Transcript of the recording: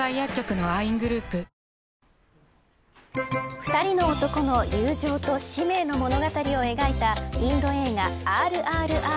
２人の男の友情と使命の物語を描いたインド映画、ＲＲＲ。